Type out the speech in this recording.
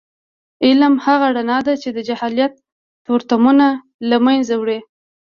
علم هغه رڼا ده چې د جهالت تورتمونه له منځه وړي.